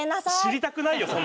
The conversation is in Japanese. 知りたくないよ